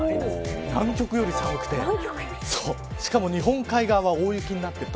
南極より寒くてしかも日本海側は大雪になっていると。